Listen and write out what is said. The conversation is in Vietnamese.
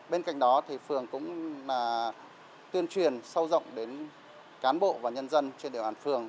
bên cạnh đó phương cũng tuyên truyền sâu rộng đến cán bộ và nhân dân trên đoàn phường